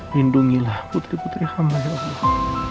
lindungilah putri putri kami ya allah